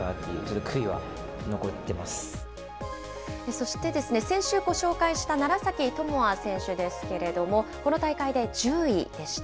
そしてですね、先週ご紹介した楢崎智亜選手ですけれども、この大会で１０位でした。